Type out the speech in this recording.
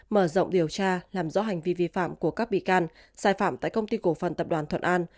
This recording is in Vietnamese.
mở rộng điều tra làm rõ hành vi vi phạm của các bị can sai phạm tại công ty cổ phần tập đoàn thuận an